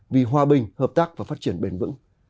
vì hòa bình hợp tác và phát triển bền vững